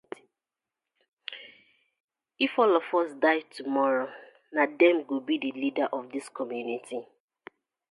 If all of us die tomorrow, na dem go bi the leaders of dis community.